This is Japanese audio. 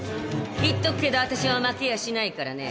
言っとくけどあたしは負けやしないからね。